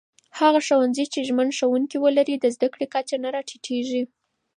هغه ښوونځي چې ژمن ښوونکي ولري، د زده کړې کچه نه راټيټېږي.